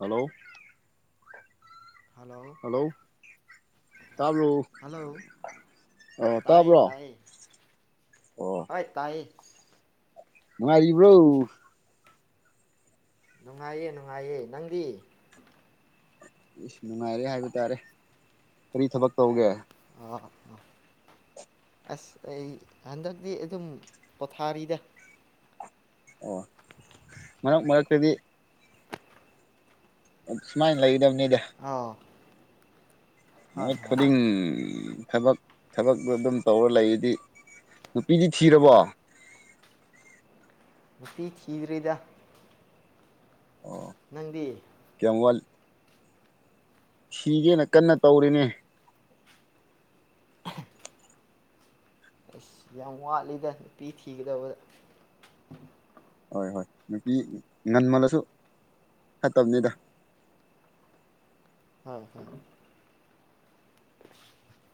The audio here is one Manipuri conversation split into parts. ꯍꯜꯂꯣ ꯍꯜꯂꯣ ꯇꯥꯕ꯭ꯔꯣ ꯍꯜꯂꯣ ꯑꯣ ꯇꯥꯏ ꯇꯥꯕ꯭ꯔꯣ ꯇꯥꯏꯌꯦ ꯑꯣ ꯍꯣꯏ ꯇꯥꯏꯌꯦ ꯅꯨꯡꯉꯥꯏꯔꯤꯕ꯭ꯔꯣ ꯅꯨꯡꯉꯥꯏꯌꯦ ꯅꯨꯡꯉꯥꯏꯌꯦ ꯅꯪꯗꯤ ꯅꯨꯡꯉꯥꯏꯔꯦ ꯍꯥꯏꯕ ꯇꯥꯔꯦ ꯀꯔꯤ ꯊꯕꯛ ꯇꯧꯒꯦ ꯑꯥ ꯑꯥ ꯑꯥ ꯑꯁ ꯑꯩ ꯍꯟꯗꯛꯇꯤ ꯑꯗꯨꯝ ꯄꯣꯊꯥꯔꯤꯗ ꯑꯣ ꯃꯔꯛ ꯃꯔꯛꯇꯗꯤ ꯁꯨꯃꯥꯏ ꯂꯩꯗꯝꯅꯤꯗ ꯑꯥꯎ ꯅꯨꯃꯤꯠ ꯈꯨꯗꯤꯡ ꯊꯕꯛ ꯊꯕꯛꯇꯣ ꯑꯗꯨꯝ ꯇꯧꯔ ꯂꯩꯗꯤ ꯅꯨꯄꯤꯗꯤ ꯊꯤꯔꯕꯣ ꯅꯨꯄꯤ ꯊꯤꯗ꯭ꯔꯤꯗ ꯑꯣ ꯅꯪꯗꯤ ꯀꯌꯥꯝ ꯋꯥꯜ ꯊꯤꯒꯦꯅ ꯀꯟꯅ ꯇꯧꯔꯤꯅꯦ ꯑꯁ ꯌꯥꯝ ꯋꯥꯠꯂꯤꯗ ꯅꯨꯄꯤ ꯊꯤꯒꯗꯕꯗ ꯍꯣꯏ ꯍꯣꯏ ꯅꯨꯄꯤ ꯉꯟꯃꯜꯂꯁꯨ ꯐꯠꯇꯕꯅꯤꯗ ꯍꯥ ꯍ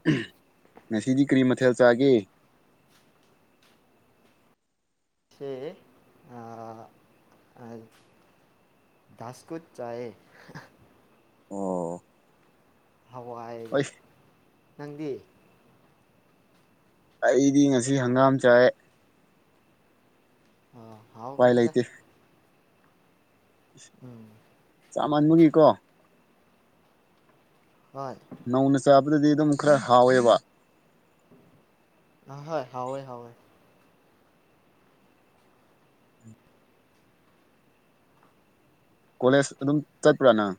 [unintelligible] ꯉꯁꯤꯗꯤ ꯀꯔꯤ ꯃꯊꯦꯜ ꯆꯥꯒꯦ [unintelligible] ꯗꯥꯥꯁꯀꯨꯠ ꯆꯥꯌꯦ [unintelligible] ꯑꯣ ꯍꯋꯥꯏꯒ ꯍꯣꯏ ꯅꯪꯗꯤ ꯑꯩꯗꯤ ꯉꯁꯤ ꯍꯪꯒꯥꯝ ꯆꯥꯏꯌꯦ ꯑ ꯍꯥꯎ ꯎꯄꯥꯏ ꯒꯅꯤꯗ ꯂꯩꯇꯦ ꯎꯝ ꯆꯥꯃꯟꯕꯒꯤꯀꯣ ꯍꯣꯏ ꯅꯧꯅ ꯆꯥꯕꯗꯗꯤ ꯑꯗꯨꯝ ꯈꯔ ꯍꯥꯎꯋꯦꯕ ꯑꯍꯣꯏ ꯍꯧꯋꯦ ꯍꯧꯋꯦ ꯀꯣꯂꯦꯖ ꯑꯗꯨꯝ ꯆꯠꯄ꯭ꯔꯥ ꯅꯪ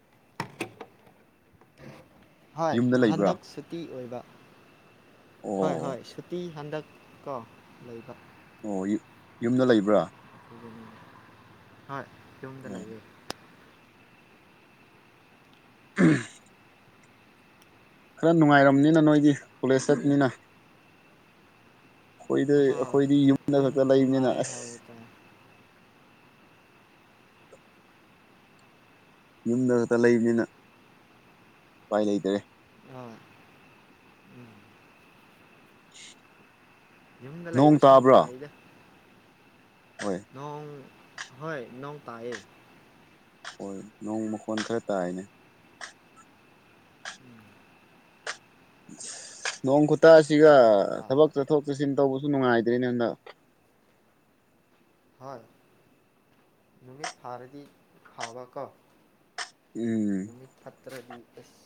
ꯍꯣꯏ ꯌꯨꯝꯗ ꯂꯩꯕ꯭ꯔꯥ ꯍꯟꯗꯛ ꯁꯨꯇꯤ ꯑꯣꯏꯕ ꯍꯣꯏ ꯑꯣ ꯍꯣꯏ ꯁꯨꯇꯤ ꯍꯟꯗꯛ ꯀꯣ ꯂꯩꯕ ꯑꯣ ꯌꯨ ꯌꯨꯝꯗ ꯂꯩꯕ꯭ꯔꯥ [unintelligible] ꯍꯣꯏ ꯌꯨꯝꯗ ꯑꯣ ꯂꯩꯌꯦ [unintelligible] ꯈ꯭ꯔꯥ ꯅꯨꯡꯉꯥꯏꯔꯝꯅꯤꯅ ꯅꯣꯏꯗꯤ ꯀꯣꯂꯦꯖ ꯆꯠꯄꯅꯤꯅ ꯑꯩꯈꯣꯏꯗ ꯑꯍꯣꯏ ꯑꯩꯈꯣꯏꯗꯤ ꯌꯨꯝꯗ ꯑꯗꯨꯝ ꯈꯛꯇ ꯂꯩꯕꯅꯤꯅ ꯅꯨꯡꯉꯥꯏ ꯑꯁ ꯍꯥꯏꯕ ꯇꯥꯏ ꯌꯨꯝꯗ ꯈꯛꯇ ꯂꯩꯕꯅꯤꯅ ꯎꯄꯥꯏ ꯂꯩꯇꯔꯦ ꯑ ꯌꯨꯝꯗ ꯅꯣꯡ ꯂꯩꯕꯁꯨ ꯇꯥꯕ꯭ꯔꯥ ꯅꯨꯡꯉꯥꯏꯗ ꯍꯣꯏ ꯅꯣꯡ ꯎꯝ ꯍꯣꯏ ꯅꯣꯡ ꯇꯥꯏꯌꯦ ꯍꯣꯏ ꯅꯣꯡ ꯃꯈꯣꯟ ꯈꯔ ꯇꯥꯏꯅꯦ ꯎꯝ ꯅꯣꯡ ꯈꯨꯠꯇꯁꯤꯒ ꯅꯣꯡ ꯊꯕꯛ ꯇꯥꯕ ꯆꯠꯊꯣꯛ ꯆꯠꯁꯤꯟ ꯇꯧꯕꯁꯨ ꯅꯨꯡꯉꯥꯏꯗ꯭ꯔꯦꯅꯦ ꯍꯟꯗꯛ ꯍꯣꯏ ꯅꯨꯃꯤꯠ ꯐꯔꯗꯤ ꯈꯕ ꯀꯣ ꯎꯝ ꯅꯨꯃꯤꯠ ꯐꯠꯇ꯭ꯔꯗꯤ ꯑꯦꯁ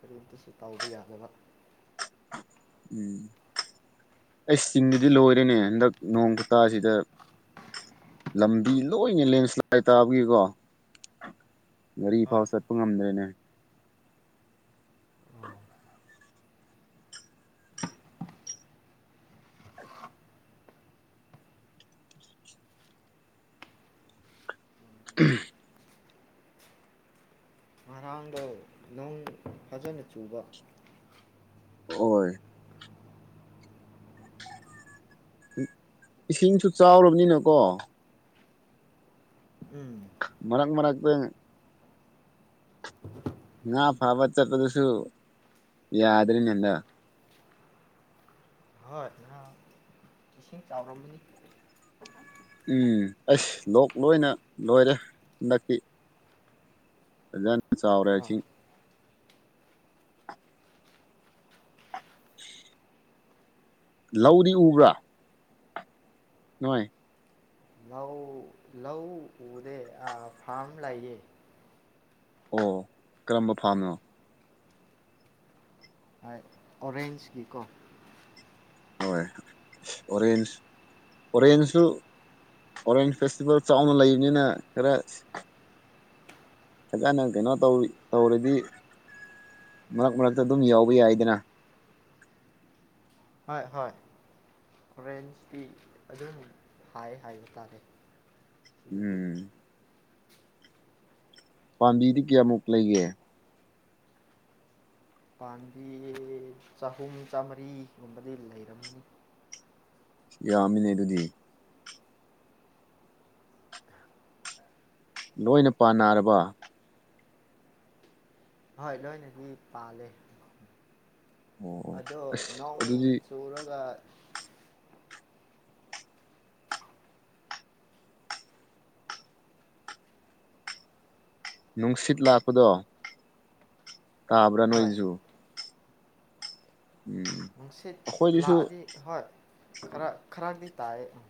ꯀꯔꯤꯝꯇꯁꯨ ꯇꯧꯕ ꯌꯥꯗꯕ ꯎꯝ ꯑꯩꯆ ꯆꯤꯡꯗꯗꯤ ꯂꯣꯏꯔꯦꯅꯦ ꯍꯟꯗꯛ ꯅꯣꯡ ꯈꯨꯇꯥꯖꯤꯗ [unintelligible] ꯂꯝꯕꯤ ꯂꯣꯏꯅꯦ ꯂꯦꯟꯁ꯭ꯂꯥꯏꯠ ꯇꯥꯕꯒꯤꯀꯣ [inaudible] ꯒꯥꯔꯤ ꯍꯣꯏ ꯐꯥꯎ ꯆꯠꯄ ꯉꯝꯗ꯭ꯔꯦꯅꯦ ꯎꯝ. [unintelligible] ꯎꯝ ꯉꯔꯥꯡꯗꯣ [unintelligible] ꯅꯣꯡ ꯐꯖꯅ ꯆꯨꯕ [unintelligible] ꯑꯣꯏ [unintelligible] ꯏꯁꯤꯡꯁꯨ ꯆꯥꯎꯔꯕꯅꯤꯅꯀꯣ [unintelligible] ꯎꯝ [inaudible] ꯃꯔꯛ ꯃꯔꯛꯇ [inaudible] ꯉꯥ ꯐꯥꯕ ꯆꯠꯄꯗꯨꯁꯨ [inaudible] ꯌꯥꯗ꯭ꯔꯦꯅꯦ ꯍꯟꯗꯛ ꯍꯣꯏ [unintelligible] ꯅ [unintelligible] ꯏꯁꯤꯡ ꯆꯥꯎꯔꯝꯒꯅꯤ [unintelligible] ꯎꯝ ꯑꯩꯁ ꯂꯣꯛ ꯂꯣꯏꯅ [inaudible] ꯂꯣꯏꯔꯦ [inaudible] ꯍꯟꯗꯛꯇꯤ ꯐꯖꯅ ꯆꯥꯎꯔꯦ ꯍꯣꯏ ꯏꯁꯤ [unintelligible] [unintelligible] ꯑ [inaudible] [unintelligible] ꯎꯁ [inaudible] ꯂꯧꯔꯤ ꯎꯕ꯭ꯔꯥ ꯅꯣꯏ ꯉꯎ [unintelligible] ꯂꯧ ꯎꯗꯦ ꯑ ꯐꯥꯝ ꯂꯩꯌꯦ [unintelligible] ꯑꯣ [inaudible] ꯀꯔꯝꯕ ꯐꯥꯝꯅꯣ ꯍꯥꯏ [unintelligible] ꯑꯣꯔꯦꯟꯖꯒꯤ ꯀꯣ ꯍꯣꯏ ꯑꯣꯔꯦꯟꯖ ꯑꯣꯔꯦꯟꯖꯁꯨ ꯑꯣꯔꯦꯟꯖ ꯐꯦꯁꯇꯤꯚꯦꯜ ꯆꯥꯎꯅ ꯂꯩꯕꯅꯤꯅ ꯈꯔ ꯐꯖꯅ ꯀꯩꯅꯣ ꯇꯧ ꯇꯧꯔꯗꯤ [inaudible] ꯃꯔꯛ ꯃꯔꯛꯇ ꯑꯗꯨꯝ ꯌꯥꯎꯕ ꯌꯥꯏꯗꯅ ꯍꯣꯏ ꯍꯣꯏ [inaudible] ꯍꯣꯔꯦꯟꯁꯇꯤ [unintelligible] ꯑꯗꯨꯝ ꯍꯥꯏ ꯍꯥꯏꯕ ꯇꯥꯔꯦ [unintelligible] ꯁꯤꯗꯗꯤ ꯎꯝ [unintelligible] ꯄꯥꯝꯕꯤꯗꯤ ꯀꯌꯥꯃꯨꯛ ꯂꯩꯒꯦ [unintelligible] ꯄꯥꯝꯕꯤ ꯆꯍꯨꯝ ꯆꯥꯝꯃꯔꯤꯒꯨꯝꯕꯗꯤ ꯂꯩꯔꯝꯒꯅꯤ [unintelligible] ꯌꯥꯝꯃꯤꯅꯦ [unintelligible] ꯑꯗꯨꯗꯤ ꯂꯣꯏꯅ ꯄꯥꯟꯅꯥꯔꯕꯥ ꯍꯣꯏ ꯂꯣꯏꯅꯗꯤ ꯄꯥꯜꯂꯦ [unintelligible] ꯑꯣ ꯑꯗꯣ ꯑꯁ ꯅꯣꯡ ꯑꯗꯨꯗꯤ ꯆꯨꯔꯒ [unintelligible] ꯅꯨꯡꯁꯤꯠ ꯂꯥꯛꯄꯗꯣ [unintelligible] ꯇꯥꯕ꯭ꯔꯥ ꯍꯣꯏ ꯅꯣꯏꯖꯨ ꯅꯨꯡꯁꯤꯠ ꯑꯩꯈꯣꯏꯗꯁꯨ ꯂꯥꯛꯑꯗꯤ ꯍꯣꯏ ꯈꯔ ꯈꯔꯗꯤ ꯇꯥꯏꯑꯦ [unintelligible]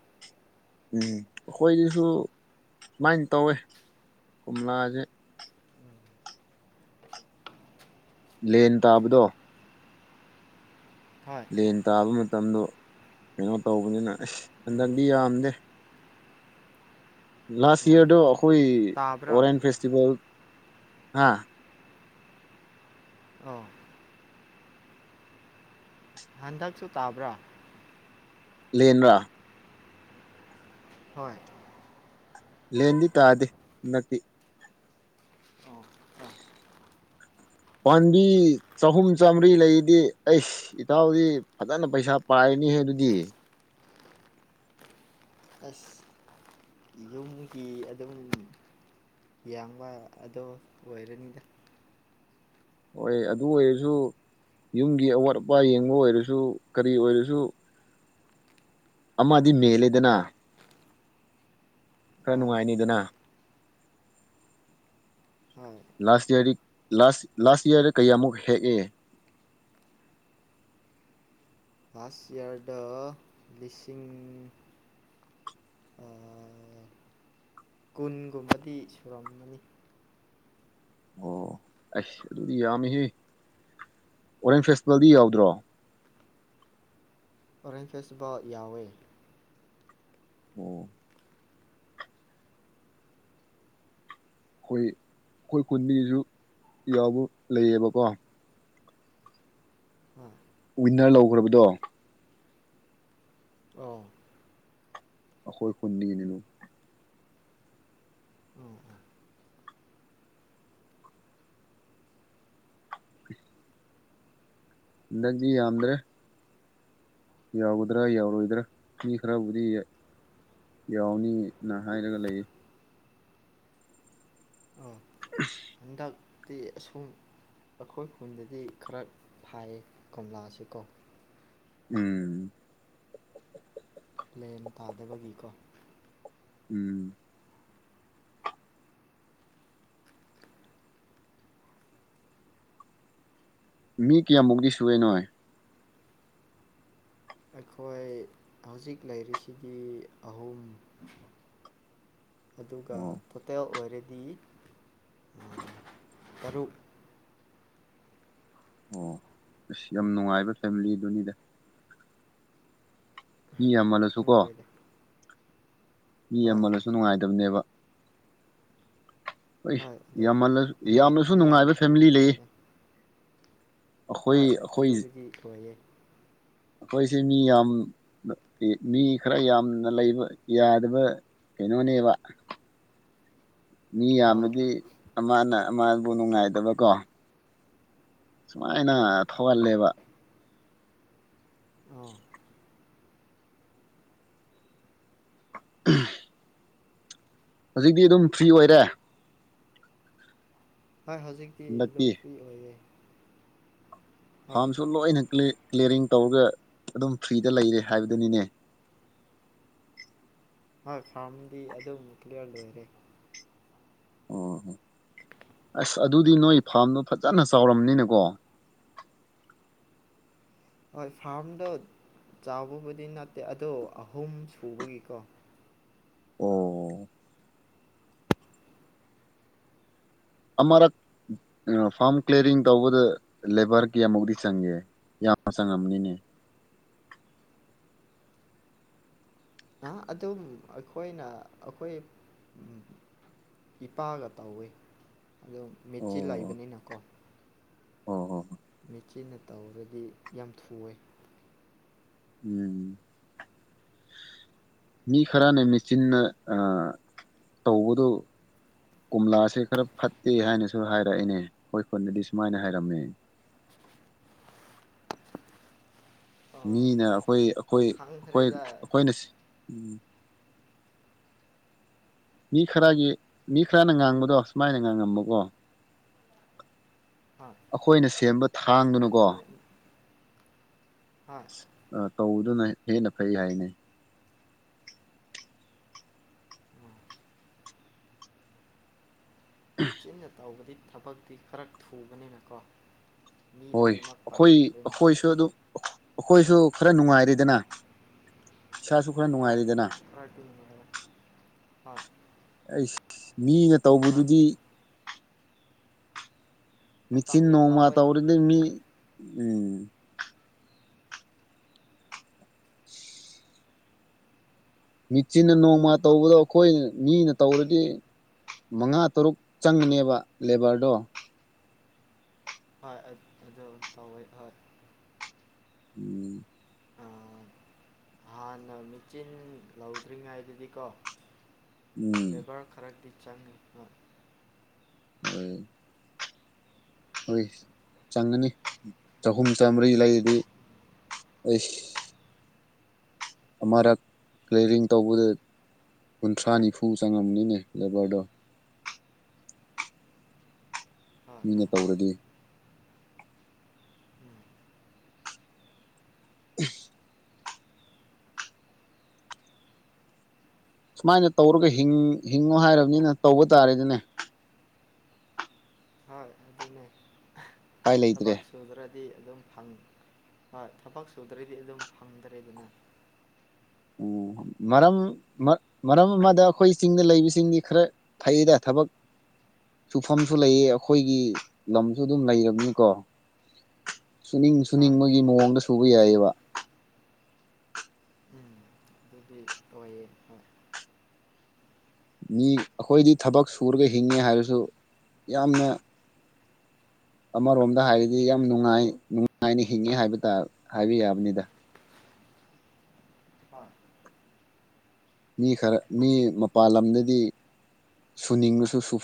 ꯎꯝ ꯑꯩꯈꯣꯏꯗꯁꯨ ꯁꯨꯃꯥꯏꯟ ꯇꯧꯋꯦ ꯀꯣꯝꯂꯥꯖꯦ [inaudible] [inaudible] [unintelligible] ꯂꯦꯟ ꯇꯥꯕꯗꯣ [unintelligible] ꯂꯥꯟ ꯇꯥꯕ ꯃꯇꯝꯗꯣ [unintelligible] [inaudible] ꯀꯩꯅꯣ ꯇꯧꯕꯅꯤꯅ ꯑꯁ ꯎꯝ ꯍꯟꯗꯛꯗꯤ ꯌꯥꯝꯗꯦ [inaudible] ꯂꯥꯁ ꯑꯣ ꯏꯌꯥꯔꯗꯣ ꯑꯩꯈꯣꯏ ꯇꯥꯕ꯭ꯔꯥ ꯑꯣꯔꯦꯟꯖ ꯐꯦꯁꯇꯤꯚꯦꯜ [inaudible] ꯍꯥ ꯑꯣ [inaudible] ꯍꯟꯗꯛꯁꯨ ꯇꯥꯕ꯭ꯔꯥ [inaudible] ꯂꯦꯟꯔꯥ ꯍꯣꯏ [inaudible] ꯂꯦꯟꯗꯤ ꯇꯥꯗꯦ ꯍꯟꯗꯛꯇꯤ [unintelligible] ꯄꯥꯝꯕꯤ ꯆꯍꯨꯝ ꯆꯥꯝꯃꯔꯤ ꯂꯩꯗꯤ ꯑꯩꯁ ꯏꯇꯥꯎꯗꯤ ꯐꯖꯅ ꯄꯩꯁꯥ ꯄꯥꯏꯅꯤꯍꯦ ꯑꯗꯨꯗꯤ ꯑꯁ ꯀꯨꯝꯀꯤ ꯑꯗꯨꯝ ꯌꯥꯡꯕ ꯑꯗꯣ ꯑꯣꯏꯔꯅꯤꯗ ꯍꯣꯏ ꯑꯗꯨ ꯑꯣꯏꯔꯁꯨ ꯌꯨꯝꯒꯤ ꯑꯋꯥꯠ ꯑꯄꯥ ꯌꯦꯡꯕ ꯑꯣꯏꯔꯁꯨ ꯀꯔꯤ ꯑꯣꯏꯔꯁꯨ ꯑꯃꯗꯤ ꯃꯦꯜꯂꯦꯗꯅ ꯈꯔ ꯑꯥ ꯅꯨꯡꯉꯥꯏꯅꯤ ꯗꯅ ꯍꯣꯏ ꯂꯥꯁ ꯏꯌꯥꯔꯗꯤ ꯂꯥꯁ ꯂꯥꯁ ꯏꯌꯥꯔꯗꯤ ꯀꯌꯥꯃꯨꯛ ꯍꯦꯛꯑꯦ ꯐꯥꯁ ꯏꯌꯥꯔꯗ ꯂꯤꯁꯤꯡ ꯀꯨꯟꯒꯨꯝꯕꯗꯤ ꯁꯨꯔꯝꯃꯅꯤ ꯑꯣ ꯑꯩꯁ ꯑꯗꯨꯗꯤ ꯌꯥꯝꯃꯦꯍꯦ ꯑꯣꯔꯦꯟꯖ ꯐꯦꯁꯇꯤꯚꯦꯜꯗꯤ ꯌꯥꯎꯗ꯭ꯔꯣ ꯑꯣꯔꯦꯟꯖ ꯐꯦꯁꯇꯤꯚꯦꯜ ꯌꯥꯎꯋꯦ ꯑꯣ ꯑꯩꯈꯣꯏ ꯑꯩꯈꯣꯏ ꯈꯨꯟꯗꯒꯤꯁꯨ ꯌꯥꯎꯕ ꯂꯩꯌꯦꯕꯀꯣ [unintelligible] ꯋꯤꯟꯅꯔ ꯂꯧꯒ꯭ꯔꯕꯗꯣ ꯑꯣ ꯑꯈꯣꯏ ꯈꯨꯟꯗꯒꯤꯅꯤ [unintelligible] ꯑꯣ ꯑꯣ ꯍꯟꯗꯛꯗꯤ ꯌꯥꯝꯗ꯭ꯔꯦ ꯌꯥꯎꯒꯗ꯭ꯔꯥ ꯌꯥꯎꯔꯣꯏꯗ꯭ꯔꯥ ꯃꯤ ꯈꯔꯕꯨꯗꯤ ꯌ ꯌꯥꯎꯅꯤ ꯅ ꯍꯥꯏꯔꯒ ꯂꯩꯌ‌ꯦ [unintelligible] ꯍꯟꯗꯛ ꯇꯤ ꯑꯁꯨꯝ ꯑꯩꯈꯣꯏ ꯈꯨꯟꯗꯗꯤ ꯈꯔ ꯊꯥꯏꯌꯦ ꯀꯣꯝꯂꯥꯁꯦ ꯀꯣ ꯎꯝ ꯂꯦꯟ ꯇꯥꯗꯕꯒꯤꯀꯣ ꯎꯝ ꯃꯤ ꯀꯌꯥꯃꯨꯛꯗꯤ ꯁꯨꯔꯦ ꯅꯣꯏ ꯑꯩꯈꯣꯏ ꯍꯧꯖꯤꯛ ꯂꯩꯔꯤꯁꯤꯗꯤ ꯑꯍꯨꯝ ꯑꯗꯨꯒ ꯑꯣ ꯇꯣꯇꯦꯜ ꯑꯣꯏꯔꯗꯤ ꯇꯔꯨꯛ ꯑꯣ ꯑꯁ ꯌꯥꯝ ꯅꯨꯡꯉꯥꯏꯕ ꯐꯦꯃꯤꯂꯤ ꯑꯗꯨꯅꯤꯗ ꯃꯤ ꯌꯥꯝꯃꯜꯂꯁꯨ ꯀꯣ ꯈꯪꯗ꯭ꯔꯦꯗ ꯃꯤ ꯍꯣꯏ ꯌꯥꯝꯃꯜꯂꯁꯨ ꯅꯨꯡꯉꯥꯏꯇꯕꯅꯦꯕ ꯍꯣꯏ ꯌꯥꯝꯃꯜꯂꯁ ꯍꯣꯏ ꯌꯥꯝꯅꯁꯨ ꯃꯤ ꯅꯨꯡꯉꯥꯏꯕ ꯌꯥꯝꯅꯗꯤ ꯐꯦꯃꯤꯂꯤ ꯂꯩꯌꯦ ꯅꯨꯡꯉꯥꯏꯇꯦ ꯍꯣꯏ ꯑꯩꯈꯣꯏ ꯑꯗꯨꯕꯨꯗꯤ ꯑꫭꯏꯌꯦ ꯑꯩꯈꯣꯏꯁꯦ ꯃꯤ ꯌꯥꯝ ꯃꯤ ꯈꯔ ꯌꯥꯝꯅ ꯂꯩꯕ ꯌꯥꯗꯕ ꯀꯩꯅꯣꯅꯦꯕ [inaudible] ꯃꯤ ꯑꯥ ꯌꯥꯝꯃꯗꯤ ꯑꯃꯅ ꯑꯃꯕꯨ ꯅꯨꯡꯉꯥꯏꯗꯕꯀꯣ ꯁꯨꯃꯥꯏꯅ ꯍꯣꯏ ꯊꯣꯛꯍꯜꯂꯦꯕ ꯑꯥ ꯎ [unintelligible] ꯍꯧꯖꯤꯛꯇꯤ ꯑꯗꯨꯝ ꯐ꯭ꯔꯤ ꯑꯣꯏꯔꯦ ꯍꯣꯏ ꯍꯧꯖꯤꯛꯇꯤ ꯍꯟꯗꯛꯇꯤ ꯑꯗꯨꯝ ꯐ꯭ꯔꯤ ꯑꯣꯏꯔꯦ ꯐꯥꯔꯝꯁꯨ ꯂꯣꯏꯅ ꯀ꯭ꯂꯤ ꯀ꯭ꯂꯤꯌꯥꯔꯤꯡ ꯇꯧꯔꯒ ꯑꯗꯨꯝ ꯐ꯭ꯔꯤꯗ ꯂꯩꯔꯦ ꯍꯥꯏꯕꯗꯨꯅꯤꯅꯦ ꯍꯣꯏ ꯐꯥꯔꯝꯗꯤ ꯑꯗꯨꯝ ꯀ꯭ꯂꯤꯌꯥꯔ ꯂꯣꯏꯔꯦ ꯑꯣ ꯍꯣ ꯑꯁ ꯑꯗꯨꯗꯤ ꯅꯣꯏ ꯐꯥꯝꯗꯣ ꯐꯖꯅ ꯆꯥꯎꯔꯝꯅꯤꯅꯀꯣ ꯍꯣꯏ ꯐꯥꯔꯝꯗꯣ ꯆꯥꯎꯕꯕꯨꯗꯤ ꯅꯠꯇꯦ ꯑꯗꯣ ꯑꯍꯨꯝ ꯁꯨꯕꯒꯤꯀꯣ ꯑꯣ ꯑꯃꯔꯛ ꯑ ꯐꯥꯝ ꯀ꯭ꯂꯤꯌꯥꯔꯤꯡ ꯇꯧꯕꯗ ꯂꯦꯕꯔ ꯀꯌꯥꯃꯨꯛꯇꯤ ꯆꯪꯒꯦ ꯌꯥꯝ ꯆꯪꯉꯝꯅꯤꯅꯦ ꯑꯥ ꯑꯗꯨꯝ ꯑꯩꯈꯣꯏꯅ ꯑꯈꯣꯏ ꯎꯝ ꯏꯄꯥꯒ ꯇꯧꯋꯦ ꯑꯗꯨꯝ ꯃꯦꯆꯤꯟ ꯂꯩꯕꯅꯤꯅꯀꯣ ꯑꯣ ꯍꯣ ꯍꯣꯏ ꯆꯦꯟꯅ ꯇꯧꯔꯗꯤ ꯌꯥꯝ ꯊꯨꯋꯦ ꯎꯝ ꯃꯤ ꯈꯔꯅ ꯃꯦꯆꯤꯟꯅ ꯑꯥ ꯇꯧꯕꯗꯨ ꯀꯣꯝꯂꯥꯁꯦ ꯈꯔ ꯐꯠꯇꯦ ꯍꯥꯏꯅꯁꯨ ꯍꯥꯏꯔꯛꯑꯦꯅꯦ ꯑꯩꯈꯣꯏ ꯈꯨꯟꯗꯗꯤ ꯁꯨꯃꯥꯏꯅ ꯍꯥꯏꯔꯝꯃꯦ ꯑꯥ ꯃꯤꯅ ꯑꯈꯣꯏ ꯑꯈꯣꯏ ꯑꯈꯣꯏ ꯈꯪꯗ꯭ꯔꯦꯗ ꯑꯈꯣꯏꯅ ꯎꯝ ꯃꯤ ꯈꯔꯒꯤ ꯃꯤ ꯈꯔꯅ ꯉꯥꯡꯕꯗꯣ ꯁꯨꯃꯥꯏꯅ ꯉꯥꯡꯉꯝꯕꯀꯣ ꯍꯣꯏ ꯑꯈꯣꯏꯅ ꯁꯦꯝꯕ ꯊꯥꯡꯗꯨꯅꯀꯣ ꯍꯥ ꯑ ꯇꯧꯕꯗꯨꯅ ꯍꯦꯟꯅ ꯐꯩ ꯍꯥꯏꯅꯦ [unintelligible] ꯃꯤꯆꯤꯟꯅ ꯇꯧꯕꯗꯤ ꯊꯕꯛꯇꯤ ꯈꯔ ꯊꯨꯕꯅꯤꯅꯀꯣ ꯃꯤ ꯍꯣꯏ ꯂꯣꯏꯅꯃꯛ ꯑꯈꯣꯏ ꯄꯥꯝꯈ꯭ꯔꯦꯅꯦ ꯑꯈꯣꯏꯁꯨ ꯑꯗꯨꯝ ꯑꯈꯣꯏꯁꯨ ꯈꯔ ꯅꯨꯡꯉꯥꯏꯔꯦꯗꯅ ꯏꯁꯥꯁꯨ ꯈꯔ ꯅꯨꯡꯉꯥꯏꯔꯤꯗꯅ [unintelligible] ꯍꯥ ꯑꯩꯁ ꯃꯤꯅ ꯇꯧꯕꯗꯨꯗꯤ ꯃꯇꯝ ꯃꯤꯆꯤꯟ ꯌꯥꯝ ꯅꯣꯡꯃ ꯂꯧꯋꯦ ꯇꯧꯔꯗꯤ ꯃꯤ ꯑꯗꯨꯗꯤ ꯎꯝ ꯃꯦꯆꯤꯟꯅ ꯅꯣꯡꯃ ꯇꯧꯕꯗꯣ ꯑꯈꯣꯏꯅ ꯃꯤꯅ ꯇꯧꯔꯗꯤ ꯃꯉꯥ ꯇꯔꯨꯛ ꯆꯪꯅꯦꯕ ꯂꯦꯕꯔꯗꯣ ꯍꯣꯏ ꯑꯗ ꯑꯗꯨ ꯇꯧꯋꯦ ꯍꯣꯏ ꯎꯝ ꯑꯥ ꯍꯥꯟꯅ ꯃꯦꯆꯤꯟ ꯂꯧꯗ꯭ꯔꯤꯉꯩꯗꯗꯤꯀꯣ ꯎꯝ ꯂꯦꯕꯔ ꯈꯔꯗꯤ ꯆꯪꯉꯤ ꯍꯣꯏ [unintelligible] ꯍꯣꯏ ꯆꯪꯉꯅꯤ ꯆꯍꯨꯝ ꯆꯥꯝꯕ꯭ꯔꯤ ꯂꯩꯔꯗꯤ ꯑꯩꯁ ꯑꯃꯔꯛ ꯀ꯭ꯂꯤꯌꯔꯤꯡ ꯇꯧꯕꯗ ꯀꯨꯟꯊ꯭ꯔꯥ ꯅꯤꯐꯨ ꯆꯪꯉꯝꯅꯤꯅꯦ ꯂꯦꯕꯔꯗꯣ ꯍꯣꯏ ꯃꯤꯅ ꯍꯣꯏ ꯇꯧꯔꯗꯤ [unintelligible] ꯁꯨꯃꯥꯏꯅ ꯇꯧꯔꯒ ꯍꯤꯡ ꯍꯤꯡꯉꯣ ꯍꯥꯏꯔꯕꯅꯤꯅ ꯇꯧꯕ ꯇꯥꯔꯦꯗꯅꯦ ꯍꯣꯏ ꯑꯗꯨꯅꯦ ꯎꯄꯥꯏ ꯂꯩꯇ꯭ꯔꯦ ꯊꯕꯛ ꯁꯨꯗ꯭ꯔꯗꯤ ꯑꯗꯨꯝ ꯊꯕꯛ ꯁꯨꯗ꯭ꯔꯗꯤ ꯑꯗꯨꯝ ꯐꯪꯗ꯭ꯔꯦꯗꯅ ꯎꯝ ꯃꯔꯝ ꯃꯔꯝ ꯑꯃꯗ ꯑꯩꯈꯣꯏ ꯆꯤꯡꯗ ꯂꯩꯕꯁꯤꯡꯒꯤ ꯈꯔ ꯐꯩꯗ ꯊꯕꯛ ꯁꯨꯐꯝꯁꯨ ꯂꯩꯌꯦ ꯑꯩꯈꯣꯏꯒꯤ ꯂꯝꯁꯨ ꯑꯗꯨꯝ ꯂꯩꯔꯕꯅꯤꯀꯣ ꯁꯨꯅꯤꯡ ꯍꯣꯏ ꯁꯨꯅꯤꯡꯕꯒꯤ ꯃꯑꯣꯡꯗ ꯁꯨꯕ ꯑꯗꯨ ꯌꯥꯏꯑ‌ꯦꯕ ꯎꯝ ꯑꯗꯨꯗꯤ ꯑꫭꯏꯌ‌ꯦ ꯍꫭꯏ ꯃꯤ ꯑꯩꯈꯣꯏꯗꯤ ꯊꯕꯛ ꯁꯨꯔꯒ ꯍꯤꯡꯉꯦ ꯍꯥꯏꯔꯁꯨ ꯌꯥꯝꯅ ꯑꯃꯔꯣꯝꯗ ꯍꯥꯏꯔꯗꯤ ꯌꯥꯝ ꯅꯨꯡꯉꯥꯏ ꯅꯨꯡꯉꯥꯏꯅ ꯍꯤꯡꯉꯦ ꯍꯥꯏꯕ ꯇꯥ ꯍꯥꯏꯕ ꯌꯥꯕꯅꯤꯗ ꯍꯣꯏ ꯃꯤ ꯈꯔ ꯃꯤ ꯃꯄꯥꯟ ꯂꯝꯗꯗꯤ ꯁꯨꯅꯤꯡꯕꯁꯨ ꯁꯨ